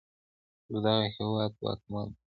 پر دغه هېواد واکمن دی